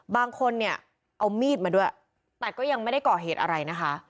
บางคนเนี่ยเอามีดมาด้วยแต่ก็ยังไม่ได้ก่อเหตุอะไรนะคะ